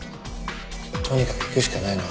とにかく行くしかないな。